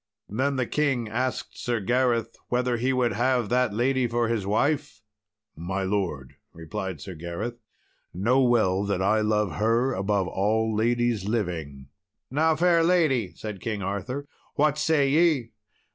Then the king asked Sir Gareth whether he would have that lady for his wife? "My lord," replied Sir Gareth, "know well that I love her above all ladies living." "Now, fair lady," said King Arthur, "what say ye?"